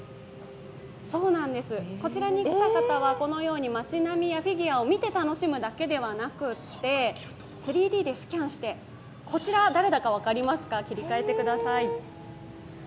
そうなんですこちらに来た方はこのように町並みやフィギュアを見て楽しむだけではなくて３Ｄでスキャンして、こちら誰だか分かりますか？